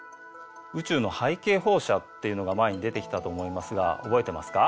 宇宙の背景放射っていうのが前に出てきたと思いますが覚えてますか？